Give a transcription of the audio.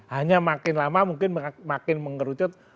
hanya makin lama mungkin makin mengerucut